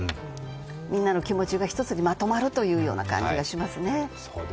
みんなの気持ちが一つにまとまるというような感じがしますね。